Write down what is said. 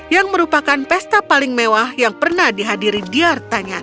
yang merupakan pesta paling mewah yang pernah dihadiri diartanya